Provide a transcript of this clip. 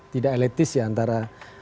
tidak eletis ya antara